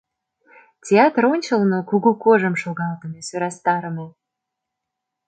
Театр ончылно кугу кожым шогалтыме, сӧрастарыме.